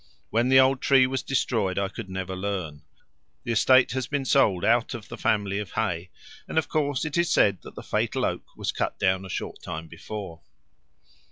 When the old tree was destroyed I could never learn. The estate has been sold out of the family of Hay, and of course it is said that the fatal oak was cut down a short time before."